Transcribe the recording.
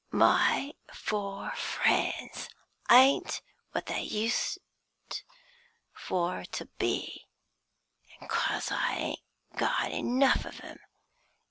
My four friends ain't what they used for to be, an' 'cos I ain't got enough of 'em.